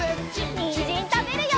にんじんたべるよ！